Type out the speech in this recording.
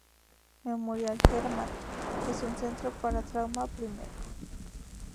Memorial Hermann es un centro para "Trauma I".